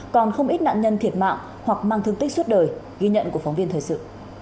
còn không ít nạn nhân thiệt mạng hoặc mang thương tích suốt đời ghi nhận của phóng viên thời sự